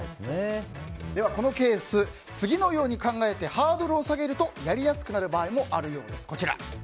次の目標を考えてハードルを下げるとやりやすくなる場合もあるようです。